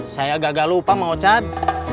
saya gagal lupa mau cat